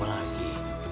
jodoh mau apa lagi